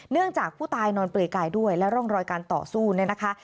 จากผู้ตายนอนเปลือยกายด้วยและร่องรอยการต่อสู้เนี่ยนะคะ